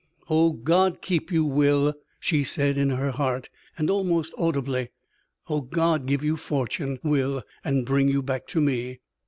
"Oh, God keep you, Will!" she said in her heart, and almost audibly. "Oh, God give you fortune, Will, and bring you back to me!"